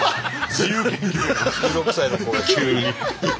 １６歳の子が急に。